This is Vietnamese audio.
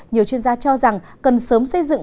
nhiều chuyên gia cho rằng cần sớm xây dựng